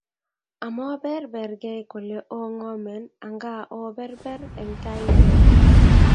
Amoberbergei kole ongomen angaa oberber eng tainyi